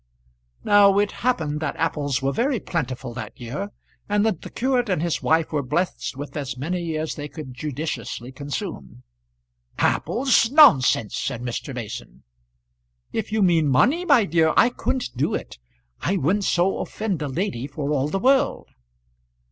Now it happened that apples were very plentiful that year, and that the curate and his wife were blessed with as many as they could judiciously consume. "Apples! nonsense!" said Mr. Mason. "If you mean money, my dear, I couldn't do it. I wouldn't so offend a lady for all the world."